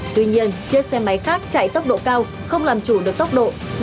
tuy nhiên chiếc xe máy khác chạy tốc độ cao không làm chủ được tốc độ